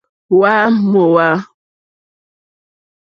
Hwá mòhwá.